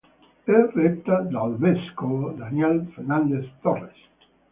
È retta dal vescovo Daniel Fernández Torres.